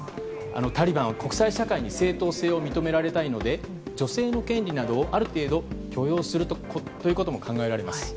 タリバンは国際社会に正統性を認められたいので女性の権利などをある程度許容することを考えられます。